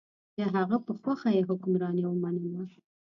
د هغه په خوښه یې حکمراني ومنله.